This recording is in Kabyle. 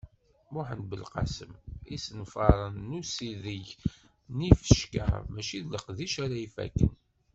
Muḥend Belqasem: Isenfaṛen n usideg n yifecka mačči d leqdic ara ifakken.